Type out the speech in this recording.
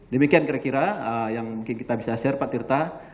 demikian kira kira yang mungkin kita bisa share pak tirta